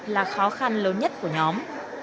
là khó khăn lớn nhất của nhóm